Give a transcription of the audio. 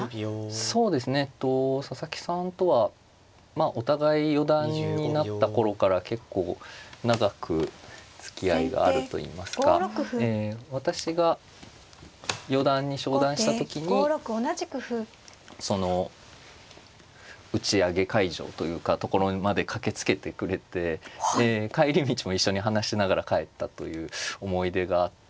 そうですねえっと佐々木さんとはまあお互い四段になった頃から結構長くつきあいがあるといいますか私が四段に昇段した時にその打ち上げ会場というかところまで駆けつけてくれて帰り道も一緒に話しながら帰ったという思い出があって。